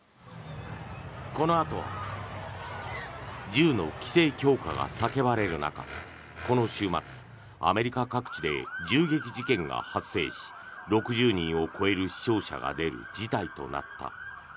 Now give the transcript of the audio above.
このあとは銃の規制強化が叫ばれる中この週末アメリカ各地で銃撃事件が発生し６０人を超える死傷者が出る事態となった。